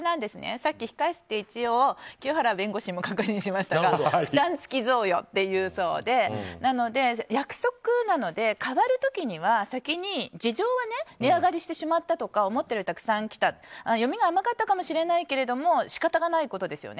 さっき控え室で清原弁護士にも確認しましたが負担付き贈与というそうで約束なので、変わる時には先に事情が値上がりしてしまったとか依頼がたくさん来た読みが甘かったかもしれないけど仕方がないことですよね。